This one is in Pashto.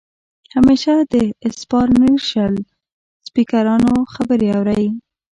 همېشه د انسپارېشنل سپيکرانو خبرې اورئ